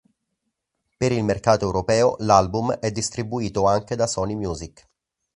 Per il mercato europeo, l'album è distribuito anche da Sony Music.